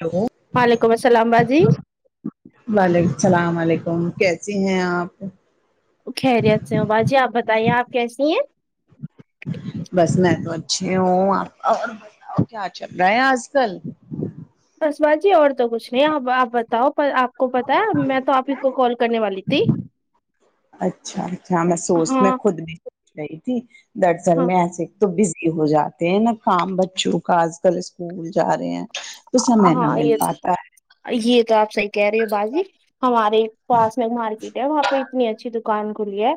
hello وعلیکم السلام باجی وعلیکم السلام علیکم کیسی ہیں آپ خیریت سے ہو باجی آپ بتائیے آپ کیسی ہیں بس میں تو اچھے ہوں آپ اور کیا چل رہا ہے آج کل بس باجی اور تو کچھ نہیں آپ بتاؤ آپ کو پتا میں تو آپ ہی کو کال کرنے والی تھی اچھا اچھا میں سوچ ہاں میں خود بھی سوچ رہی تھی دراصل ہاں میں ایسے تو بزی ہو جاتے ہیں نا کام بچوں کا آج کل اسکول جا رہے ہیں تو سمے نہ ہاں مل یہ پاتا ہے یہ تو آپ صحیح کہہ رہے ہو باجی ہمارے پاس میں مارکیٹ ہے وہاں پہ اتنی اچھی دکان کھلی ہے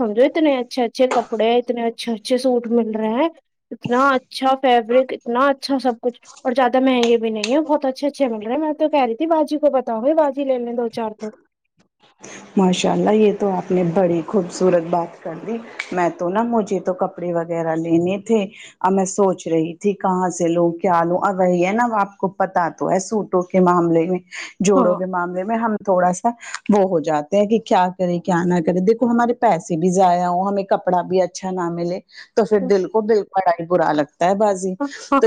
سمجھوں اتنے اچھے اچھے کپڑے ہیں اتنے اچھے اچھے سوٹ مل رہے اتنا اچھا فیبرک اتنا اچھا سب کچھ اور زدہ مہنے بھی نہیں ہے بہت اچھے اچھے مل رہے میں تو کہہی تھی باجی کو بتاؤ باجی لے دو چار تو ماشاء اللہ یہ تو آپ نے بڑی خوبصورت بات کر دی میں تو تو نا مجھے تو کپڑے وغیرہ لینے تھے اور میں سوچ رہی تھی کہاں سے لوں کیا لوں اور وہی ہے نا آپ کو پتا تو ہے سو ٹو کے معاملے میں ہاں جوڑوں کے معاملے میں ہم تھوڑا سا وہ ہو جاتے ہیں کہ کیا کرے کیا نہ کرے دیکھو ہمارے پیسے بھی ضائع ہوں ہمیں کپڑا بھی اچھا نہ ملے تو پھر دل کو دل بڑھائی برا لگتا ہے باجی ہ ہاں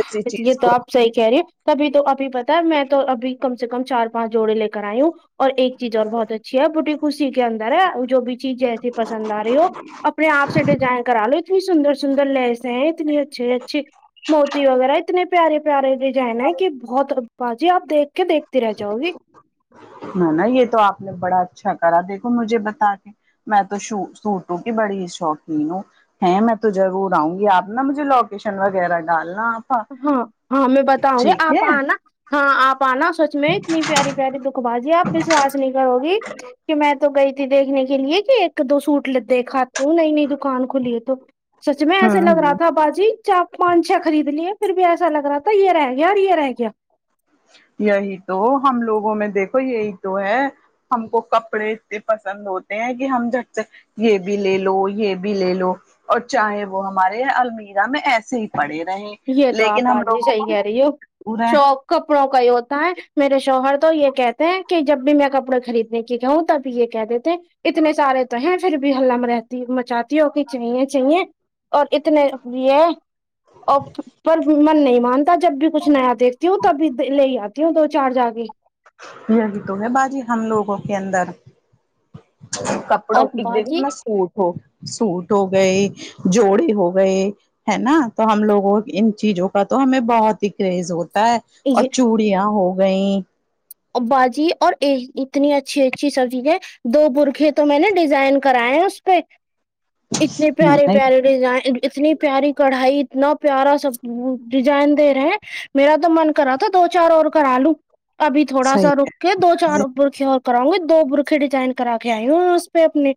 یہ تو آپ صحیح کہا رہی تبھی تو ابھی پتا ہے میں تو ابھی کم سے کم چار پانچ جوڑے لے کر آئی ہوں اور ایک چیز اور بہت اچھی ہے بوٹی فو سی کے اندر ہے جو بھی چیز جیسی پسند آ رہی ہو اپنے آپ سے ڈیزائن کرا لو اتنی سندر سندر لس ہیں اتنی اچھے اچھی موتی وغیرہ اتنے پیارے پیارے ڈیزائن ہیں کہ بہت با جی آپ دیکھ کہ دیکھتی رہ جاؤ گی نہ نہ یہ تو آپ نے بڑا اچھا کرا دیکھو مجھے بتا کے میں تو سو سوٹوگی بڑی ہی شوقین ہوں ہے میں تو ضرور آؤں گی آپ نا مجھے لوکیشن وغیرہ ڈالنا آپ ہاں ہاں میں بتاؤں گی ٹھیک آپ ہے آنا ہاں آپ آنا سچ میں اتنی پیاری پیاری دکھ بازی آپ وشواس نہیں کرو گی کہ میں تو گئی دیکھنے کے لیے کہ ایک دو سوٹ دیکھات ہوں نئی نئی دکان کھلی ہے تو سچ میں ایسے ہوں لگ رہا ہوں تھا باجی چار پانچ چھ خرید لے پھر بھی ایسا لگ رہا تھا یہ رہ گیااور یہ رہ گیا یہی تو ہم لوگوں میں دیکھو یہی تو ہے ہم کو کپڑے اتنے پسند ہوتے ہیں کہ ہم جٹ سے یہ بھی لے لو یہ بھی لے لو اور چاہے وہ ہمارے المیرا میں ایسے سے ہی پڑے رہے یہ تو آپ لیکن ہم بات بھی لوگوں صحیح کو کہہ رہی ہو دور ہے شوق کپڑوں کا ہی ہوتا ہے میرے شوہر تو یہ کہتے ہیں کہ جب بھی میں کپڑے خرید کی کہوں تب یہ کہ دیتے ہیں اتنے سارے تو ہیں پھر بھی ہلہ میں رہتی مچات کی چاہییں چاہیے اور اتنے بھی ہے اور پر من نہیں مانتا جب بھی کچھ نیا دیکھتی ہوں تبھی لے آتی ہوں دو چار جا کے یہی تو ہے باجی ہم لوگوں کے اندر کپ کپڑوں اور ایک باجی دو سوٹ ہو سوٹ ہو گئے جوڑے ہو گئے ہے نا تو ہم لوگوں ان چیزوں کا تو ہمیں بہت ہی کریز ہوتا ہے اور یہ چوڑیاں ہو گئیں باجی اور اتنی اچھی اچھی سب چیزیں دو برقہ تو میں نے ڈیزائن کرائے ہیں اس پہ اتنے پیارے پیارے ڈیزائن اتنی پیاری کڑھائی اتنا پیارا سب ڈیزائن دے رہے ہیں میرا تو من کرا تھا دو چار اور کرا لوں ابھی تو تھوڑا صحیح سا ہے رک کے دو چار برقہ اور کراؤں گی دو برقہ ڈیزائن کرا کے آئی ہوں اس پہ اپنے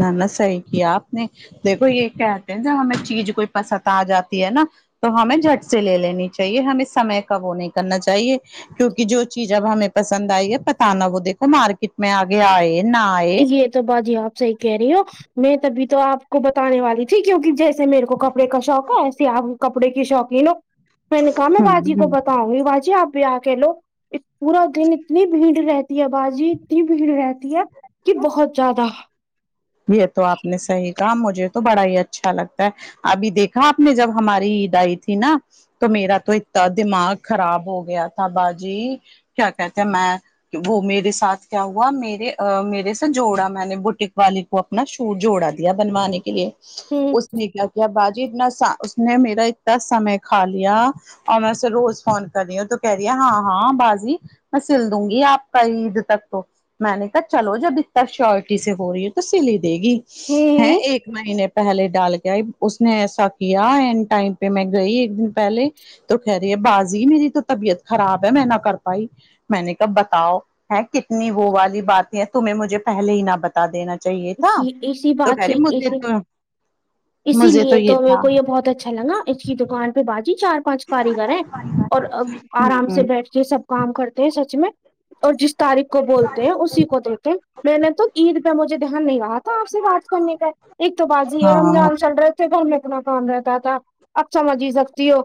نہ نہ صحیح کیا آپ نے دیکھو یہ کہتے ہیں جب ہمیں چیز کوئی پسند آ جاتی ہے نا تو ہمیں جھٹ سے لے لینی چاہیے ہمیں سمے کا وہ نہیں کرنا چاہیے کیونکہ جو چیز اب ہمیں پسند آئی ہے پت نا وہ دیکھو مارکیٹ میں آگے آئے نہ آئے یہ تو باجی آپ صحیح کہہ رہی ہو میں تبھی تو آپ کو بتانے والی تھی کیونکہ جیسے جسے میرے کو کپڑے کا شوق ہے ایے آپ کپڑے کی شوقین ہو میں نے کہا میں ہوں باجی ہوں کو بتاؤ گی باجی آپ آ کہ لو اس پورا دن اتنی بھیڑ رہتی ہے باجی اتنی بھیڑ رہتی ہے کہ بہت زیادہ یہ تو آپ نے صحیح کہا مجھے تو بڑا ہی اچھا لگتا ہے ابھی دیکھا آپ نے جب ہماری عید ائی تھی نا تو میرا تو اتنا دماغ خراب ہو گیا تھا باجی کیا کہتے ہیں میں وہ میرے ساتھ کیا ہوا میرے میرے سے جوڑا میں نے بٹک والے کو اپنا شور جوڑا دیا بنوانے کے لیے ہوں اس اس نے کیا باجی اتنا اس نے میرا اتنا سمے کھا لیا اور میں روز فون کر رہی ہوں تو کہہ رہی ہے ہاں ہاں باجی میں سیل دوں گی آپ کا عید تک تو میں نے کہا چلو جب اتنا شیورٹی سے ہو رہی ہے تو سیل ہی دے گی ہوں ایک مہینے پہلے ڈال کے آئی اس نے ایسا کیا این ٹائم پہ میں گئی ایک دن پہلے تو کہہ رہی ہے بازی میری تو طبیعت خراب ہے میں نہ کر پائی میں نے کہا بتاؤ ہے کتنی وہ والی باتیں ہیں تمہیں مجھے پہلے ہی نہ بتا دینا چاہیے تھا اسی اسی تو کہہ بات رہے سے ہیں مجھے اسی تو اسی لیے تو میرے کو یہ بہت اچھا لگا اس کی دکان پہ باجی چار پانچ کاریگر ہیں اور آرام سے بیٹھ کے سب کام کرتے ہیں سچ میں اور جس تاریخ کو بولتے ہیں اسی کو دیتے ہیں میں نے تو عید پہ مجھے دھیان نہیں رہا تھا آپ سے بات کرنے کا ایک تو باجی اور ہاں چل رہے تھے گھر میں اتنا کام رہتا تھا اب سمج ہی سکتی ہو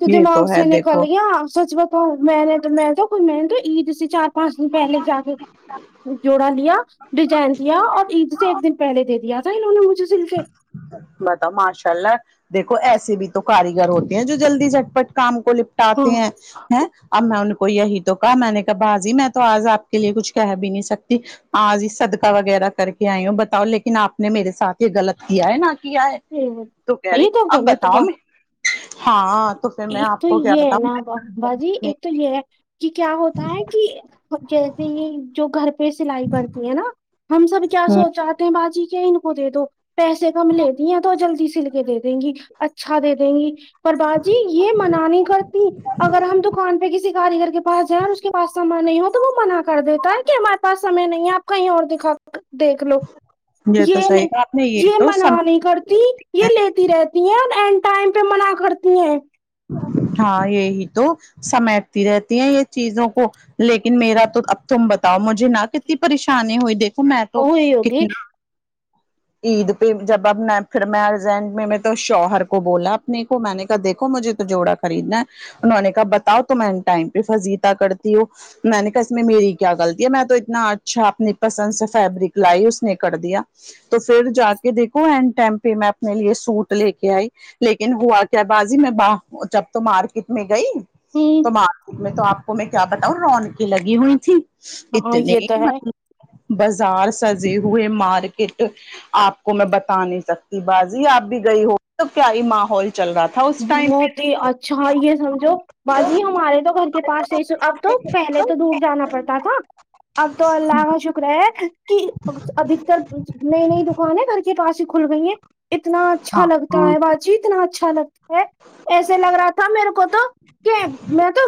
تو یہ دماغ سے ہے نکل دیکھو گیا سچ بتاؤ میں تو کوئی میں نے تو عید سے چا پانچ دن پہلے جا کے جوڑا لیا ڈیزائن دیا اور عید سے ایک دن پہلے دے دیا تھا انہوں نے مجھے سلکے بتاؤ ماشاءاللہ دیکھو ایسے بھی تو کاریگر ہوتے ہیں جو جلدی جٹ پٹ کام کو ہاں لپٹاتے ہیں ہے اب میں ان کو یہی تو کہا میں نے کہ باازی میں تو آج آپ کے لیے کچھ کہہ بھی نہیں سکتی آج صدقہ وغیرہ کر کے آئی ہوں بتاؤ لیکن آپ نے میرے ساتھ یہ غلط کیا ہے نہ کیا ہے تو کہہ رہی یہ تو اب غلط بتاؤ بات میں ہاں تو پھر میں ایک آپ تو کو کیا یہ ہے بتاؤں نا بازی ایک تو یہ ہے کہ کیا ہوتا ہے کہ جیسے یہ جو گھر پہ سلائی کرتی ہے نا ہم سب کیا ہوں سوچاتے ہیں باجی کیا ان کو دے دو پیسے کم لیتی ہیں تو جلدی سل کے دے دیں گی اچھا دے دیں گی یپر بات جی یہ منانی کرتی اگر ہم دکان پہ کسی کاریگر کے پاس جائیں اور اس کے پاس سامان نہیں ہو تو وہ منع کر دیتا ہے کہ ہم پاس ہمیں نہیں ہے اپ کہیں اور دکھا دیکھ لو تو یہ صحیح کہا آپ نے یہ تو منا سمجھ نہیں کرتی یہ لیتی رہتی ہیں اور اینڈ ٹائم پہ منع کرتی ہیں ہاں یہی تو سمیٹتی رہتی ہیں یہ چیزوں کو لیکن میرا تو ا تم بتاؤ مجھے نہ کتنی پریشانی ہوئی دیکھو میں تو وہی ہوگی کتنی عید پہ جب اب میں پھر میں ارجینٹ میں میں تو شوہر کو بولا اپنے کو میں نے کہا دیکھو مجھے جوڑا خریدنا ہے انہوں نے کہا بتاؤ تو میں ان ٹائم پہ فضیتاہ کرتی ہو میں نے کہا اس میں میری کیا غلطی ہے میں تو اتنا اچھا اپنی پسند سے فیبرک لائی اس نے کر دیا تو پھر جا کے دیکھو اینڈ ٹم پہ میں اپنے لیے سوٹ لے کے آئی لیکن ہوا کیا بازی میں ب جب تو مارکیٹ میں گئی تو ہوں مارکیٹ میں تو آپ میں کیا بتاؤں رونقی لگی ہوئی تھی ہاں اتنے یہ تو ہے مل بازار سجے ہوئے مارکیٹ آپ کو میں بتا نہیں سکتی بازی آپ بھی گئی ہو تو کیا ہی ماحول چل رہا تھا اس ٹائم بہت ہی پہ اچھا یہ سمجھو باجی ہمارے تو گھر کے پاس اب تو پہلے ہاں تو دور جانا پڑتا تھا اب تو اللہ کا شکر ہے کہ ادھ تر نئی نئی دکانیں گھر کے پاس ہی کھل گئی ہیں اتنا اچھا لگتا ہاں ہے جیتنا اچھا لگتا ہے ایسے لگ رہا تھا میرے کو تو کہ میں تو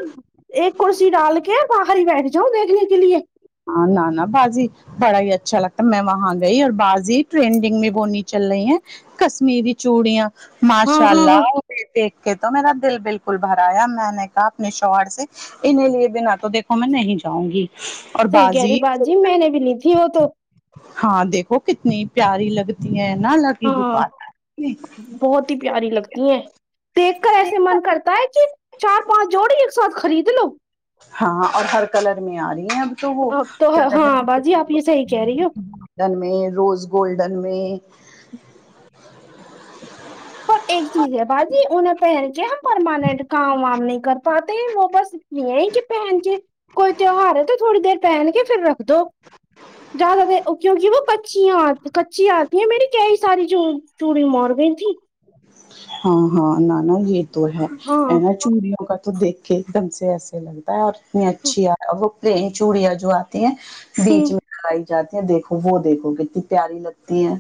ایک کرسی ڈال کے باہر ہی بیٹھ جاؤ دیکھنے کے لیے ہاں نہ نہ بازی بڑا ہی اچھا لگتا ہے میں وہاں گئی اور بازی ٹرینڈنگ میں وہ نہیں چل رہی ہیں کشمیری چوڑیاں ہاں ہاں ماشاءاللہ ہاں دیکھ کے تو میرا دل بالکل بھرایا میں نے کہا اپنے شوہر سے انیں لیے بنا تو دیکھو میں نہیں جاؤں گی اور سی کہہ بازی رہے با جی میں نے بھی لی تھی وہ تو ہاں دیکھو کتنی پیاری لگتی ہے نا الگ ہاں لکار بہت ہی پیاری لگتی ہیں دیکھ کر ایسے من کرتا ہے کہ چار پانچ جوڑی ایک ساتھ خرید لو ہاںاں اور ہر کلر میں آ رہی ہیں اب تو وہ کیا کہتے ہیں چریو ڈن میں روز گولڈن میں اور ایک چیز ہے باجی انہیں پہن کے ہم پرماننٹ کام وام نہیں کر پاتے وہ بس نہیں کہ پن چ کوئی تیوہار ہے تو تھوڑی دیر پہن کے پھر رکھ دو زیادہ ت کیونکہ وہ پچیا آ کچی آتی ہیں میری کیئی ساری جو چوڑی مار گئی تھھی ہاں ہاں نانا یہ تو ہے ہاں چوڑیوں کا تو دیکھ کے ایک دم سے ایسے لگتا ہے اور اتنی اچھی آ وہ پری چوڑیاں جو آ بیچ ہ میں لگائی جاتی ہیں دیکھو وہ دیکھو کتنی پیاری لگ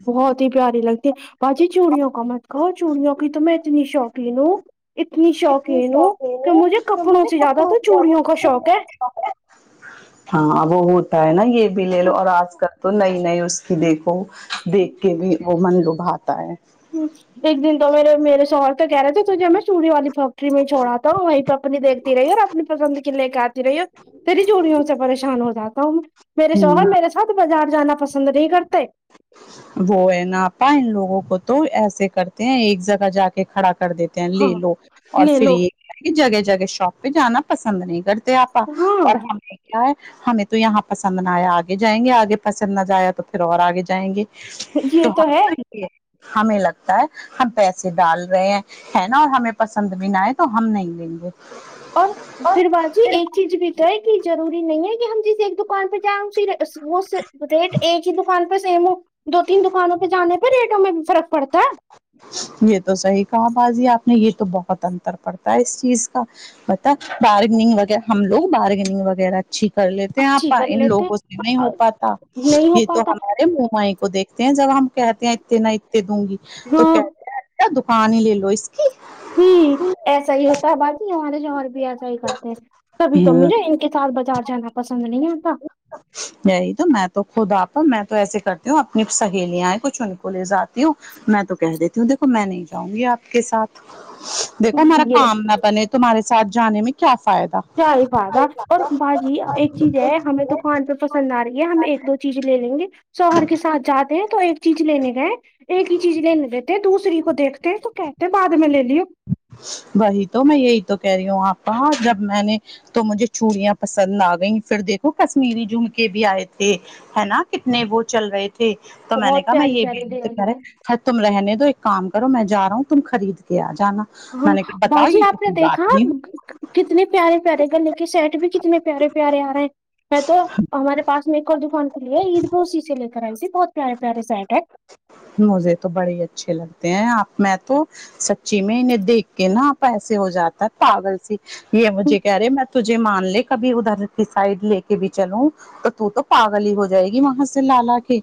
بہت ہی پیاری لگتی ہے باجی چوڑیوں کا مت کہو چوڑیوںوکئی تو م میں اتنی شوقی ہ اتنی شوقین ہوں کہ مجھے کپڑوں سے زیادہ تو چوڑیوں کا شوق ہے کپڑے ہاں وہ ہوتا ہے نا یہ بھی لے لو اور آج کل تو نئی نئی اس کی دیکھو دیکھ کے بھی وہ من لبھاتا ہے ہ ایک دن تو میرے میرے شہر کا تو کہہ رہے تھے تو ج میں چوڑیوں فیکٹری میں چھڑا تھا وہیں پے اپنی دیکتی رہی ہے اور اپنی پسند کے لے کے آتی رہی تری چوڑیوں سے پریشان ہو جاتا ہوں میرے ہ شوہر میرے سے مرد بازار جانا پسند نہیں کرتا وہ ہے نا آپا ان لوگوں کو تو ایسے کرتے ہیں ایک جگہ جا کے کھڑا کر دیتے ہاں لے لو اور لے پھر لو یہ جگہ جگہ شاپ پہ جانا پسند نہیں کرتے آپ ہاں اور ہم کیا ہے ہمیں تو یہاں پسند نہ آیا آگے جائیں گے آگے پسند نہ جایا تو پھر اور آگے جائیں گے یہ تو ہے ہم یہ ہمیں لگتا ہے ہم پیسے ڈال رہے ہیں ہے نا اور ہمیں پسند بھی نہ آئے تو ہم نہیں لیں گے اور پھر باجی ایک چیز بھی تو ہے کی ضروری نہیں ہے کی ہم جسے ایک دکان پے جائیں اس اس وس ریٹ ایک ہی دکان پے سیم ہو دو تین دکانوں پے جانے پے ریٹوں میں بھی فرق پڑتا ہے یے تو صحیح کہا باجی آپ نے یے تو بہت انتر پڑتا ہے اس چیز کا پتا بارگنگ وغیرہ ہم لوگ بارگنگ وغیرہ اچھی کر لیتے ہیں اچھی آپا کر ان لیتے لوگوں سے نہیں ہو پاتا ہو یے تو پاتا ہمارے منمائی کو دیکھ تے ہے جب ہم کہتے ہیں اتے نہ اتتے دوں گی تو ہاں ہوں کہتے ہیں رہتے دکان ہی لے لو اس کی جی ایسا ہی ہوتا ہے باجی ہمارے جو اور بھی ایسا ہی کرتے ہیں تبھی تو ہاں مجھے کے ساتھ بازار جانا پسند نہیں آتا یہی تو میں تو خود آپا میں تو ایسے کرتی ہوں اپنی سہیلیاں کچھ ان کو لے جاتی ہوں میں تو کہہ دیتی ہوں دیکھو میں نہیں جاؤں گی آپ کے ساتھ دیکھو میرا یہ کام نہ بنے تمہارے سات جانے میں کیا فائدہ صحیح کہا بات اور باجی ایک چیز ہے ہمیں توکان پے پسند آ رہی ہے ہم ایک دو چیز لے لیں گے سوہر کے ساتھ جات تے ہے تو ایک چیز لینے گئے ایک ہی چیز لینے دیتے ہیں دوسری کو دیکھتے تو کہتے بعد میں لے لیو وہی تو میں یہی تو کہہ رہی ہوں آپ کا جب میں نے تو مجھے چوڑیاں پسند آ گئیں پھر دیکھو کشمیری جھمکے بھی آئے تھے ہے نا کتنے وہ چل رہے تھے تو میں نے بہت کہا میں پیاری یے بھی پیاری لو دے تو کہہ رہے تم رہنے دو ایک کام کرو میں جا رہا ہوں تم خرید کے آ جانا ہاں میں نے کہا بتاؤ باجی یہ تو آپ نے کوئی دیکھا بات نہیں کتنے پیارے پیارے گلے کے سیٹ بھی کتنے پیارے پیارے آ رہے ہیں میں تو ہمارے پس میں ایک اور دکان کھلی ہے عید پے اسی سے لے کر آئی تھی بہت پیارے پیارے سیٹ ہیں مجھے تو بڑے ہی اچھے لگتے ہیں آپ میں تو سچی میں انہیں دیکھ کے نا آپا ایسے ہو جاتا پاگل سی یے مجھے کہہ رہے میں تجھے مان لے کبھی ادھر کی سائڈ لے کے بھی چلوں تو تو تو پاگل ہی ہو جائے گی وہاں سے لالا کے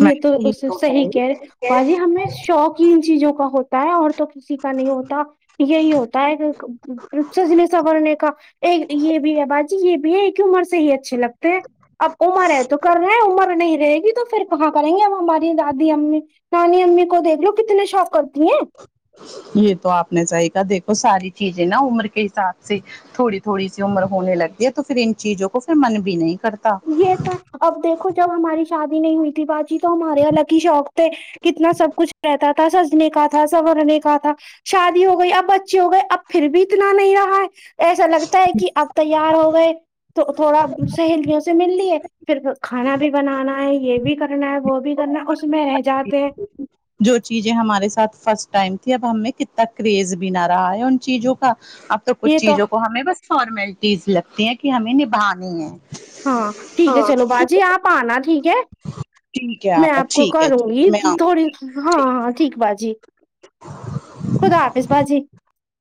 یے تو یہ صحیح ہے کہہ رہے باجی ہمیں شوق ان چیزوں کا ہوتا ہے اور تو کسی کا نہیں ہوتا یہی ہوتا ہے سجنے سورنے کا اور یے بھی ہے باجی یے بھی ایک ہی عمر سے ہی اچھے لگتے ہیں اب عمر ہے تو کر رہے ہیں عمر نہیں رہے گی تو پھر کہاں کریں گے اب ہماری دادی امی نانی امی کو دیھکھ لو کتنے شوق کرتی ہیں یے تو آپ نے صحیح کہا دیکھو ساری چیزیں نا عمر کے حساب سے تھوڑی تھوڑی سی عمر ہونے لگتی ہے تو پھر ان چیزوں کو پھر من بھی نہیں کرتا یے تھا اب دیکھو جب ہماری شادی نہیں ہوئی تھی باجی تو ہمارے الگ ہی شوق تھے کتنا سب کچھ رہتا تھا سجنے کا تھا سنورنے کا تھا شادی ہو گئی اب بچے ہو گئے اب پھر بھی اتنا نہیں رہا ہے ایسا لگتا ہے کی اب تیار ہو گئے تو تھوڑا سہیلیوں سے مل لیے پھر کھانا بھی بنانا ہے یے بھی کرنا ہے وہ بھی کرنا ہے اس میں رہ جاتے ہیں جو چیزیں ہمارے ساتھ فرسٹ ٹائم تھی اب ہمیں کتنا کریز بھی نہ رہا ہے ان چیزوں کا اب تو کچھ چیزوں کو ہمیں بس فارملٹیز لگتی ہیں کی ہمیں نبھانی ہے ہاں ٹھیک ہے چلو باجی آپ پانا ٹھیک ہے ٹھیک ہے میں آپا آپ کو ٹھیک ہے کروں ٹھیک گی ہے میں آؤں تھوڑی ہاں ہاں ٹھیک باجی خدا حافظ باجی